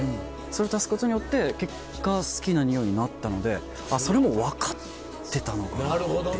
それ足すことによって結果好きな匂いになったのでそれも分かってたのかなって。